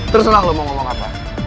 terserah loh mau ngomong apa